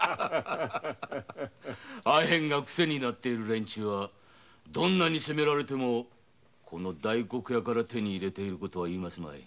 阿片がクセになってる連中はどんなに責められてもこの大黒屋から手に入れていることは言いますまい。